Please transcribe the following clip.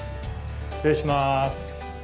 失礼します。